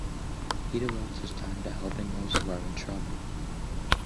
He devotes his time to helping those who are in trouble.